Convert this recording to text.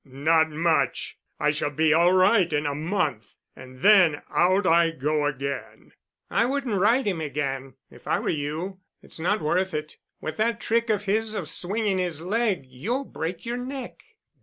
Not much! I shall be all right in a month, and then out I go again." "I wouldn't ride him again, if I were you. It's not worth it. With that trick of his of swinging his leg, you'll break your neck."